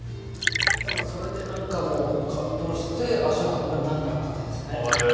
それで、感動して足を運ぶようになった感じです。